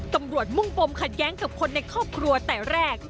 มุ่งปมขัดแย้งกับคนในครอบครัวแต่แรก